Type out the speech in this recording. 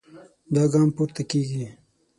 دا ګام پورته کېږي.